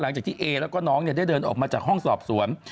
หลังจากที่เอแล้วก็น้องได้เดินออกมาจากห้องสอบสวน